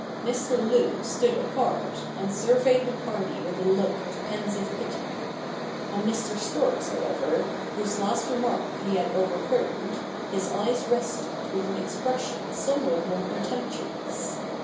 Mr. Luke stood apart, and surveyed this party with a look of pensive pity. On Mr. Storks, however, whose last remark he had overheard, his eyes rested with an expression somewhat more contemptuous.